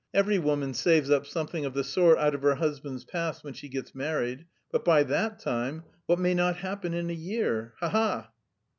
Every woman saves up something of the sort out of her husband's past when she gets married, but by that time... what may not happen in a year? Ha ha!"